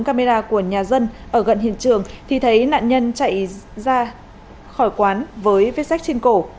camera của nhà dân ở gần hiện trường thì thấy nạn nhân chạy ra khỏi quán với vết rác trên cổ